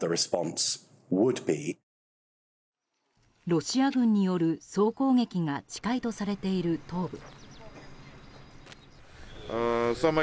ロシア軍による総攻撃が近いとされている東部。